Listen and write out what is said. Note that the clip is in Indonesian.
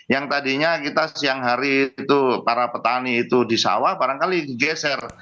yang tadinya kita siang hari itu para petani itu di sawah barangkali digeser